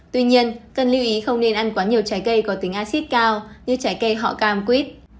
tuy nhiên cần lưu ý không nên ăn quá nhiều trái cây có tính acid cao như trái cây họ cam quýt